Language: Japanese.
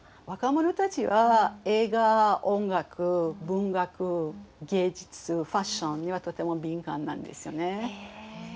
若者たちは映画音楽文学芸術ファッションにはとても敏感なんですよね。